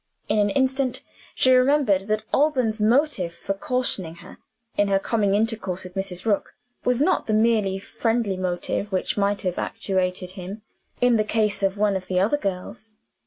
In an instant, she remembered that Alban's motive for cautioning her, in her coming intercourse with Mrs. Rook, was not the merely friendly motive which might have actuated him, in the case of one of the other girls.